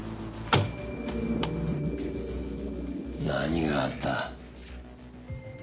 何があった？